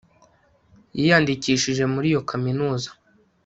Yiyandikishije muri iyo kaminuza